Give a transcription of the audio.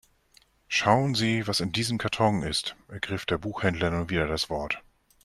Schauen Sie, was in diesem Karton ist, ergriff der Buchhändler nun wieder das Wort.